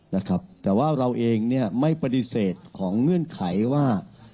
นะครับแต่ว่าเราเองเนี่ยไม่ปฏิเสธของเงื่อนไขว่า